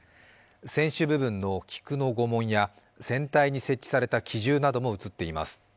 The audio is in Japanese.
船首部分の菊の御紋や船体に設置された機銃なども映っています。